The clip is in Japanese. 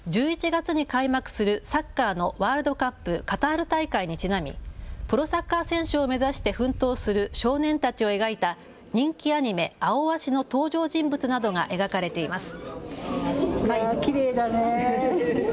１１月に開幕するサッカーのワールドカップカタール大会にちなみ、プロサッカー選手を目指して奮闘する少年たちを描いた人気アニメ、アオアシの登場人物などが描かれています。